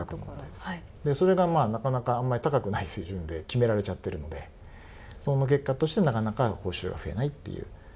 それが、なかなかあんまり高くない水準で決められちゃってるのでその結果としてなかなか報酬が増えないっていう。